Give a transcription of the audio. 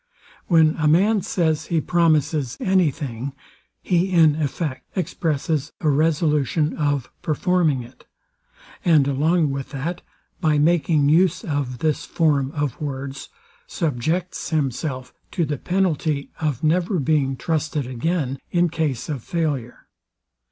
When a man says he promises any thing, he in effect expresses a resolution of performing it; and along with that, by making use of this form of words, subjects himself to the penalty of never being trusted again in case of failure.